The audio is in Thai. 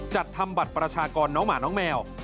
จัดทำบัตรประชากรน้องหมาน้องแมว